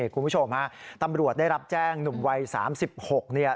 คุณผู้ชมฮะตำรวจได้รับแจ้งหนุ่มวัย๓๖เนี่ย